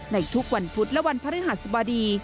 ในทุกวันพุธและวันพฤหัสบดี